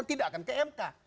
tidak akan kmk